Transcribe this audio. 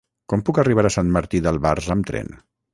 Com puc arribar a Sant Martí d'Albars amb tren?